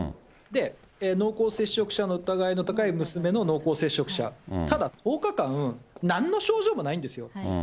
で、濃厚接触者の疑いの高い娘の濃厚接触者、ただ１０日間、なんの症状もないんですよ。